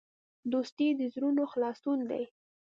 دوستي د زړونو خلاصون دی.